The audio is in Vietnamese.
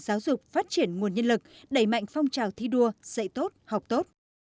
giáo dục phát triển nguồn nhân lực đẩy mạnh phong trào thi đua dạy tốt học tốt